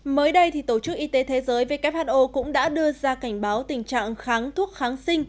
mới đây tổ chức y tế thế giới who cũng đã đưa ra cảnh báo tình trạng kháng thuốc kháng sinh